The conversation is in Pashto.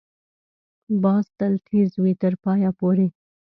باز تل تېز وي، تر پایه پورې